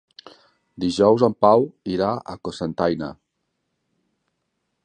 Dijous en Pau irà a Cocentaina.